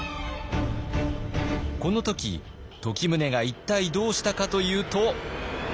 この時時宗が一体どうしたかというと。